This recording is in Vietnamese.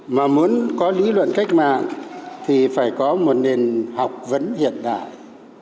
mà muốn có lý luận cách mạng thì phải có một nền học vấn hiện đại